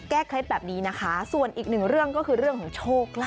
เคล็ดแบบนี้นะคะส่วนอีกหนึ่งเรื่องก็คือเรื่องของโชคลาภ